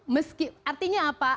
meski artinya apa